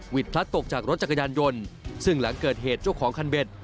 พลัดตกจากรถจักรยานยนต์ซึ่งหลังเกิดเหตุเจ้าของคันเบ็ด